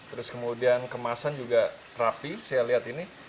terus kemudian kemasan juga rapi saya lihat ini